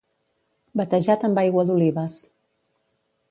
Batejat amb aigua d'olives.